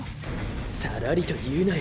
さらりと言うなよ